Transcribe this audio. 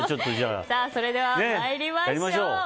それでは参りましょう。